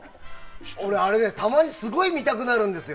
俺、あれたまにすごい見たくなるんですよ。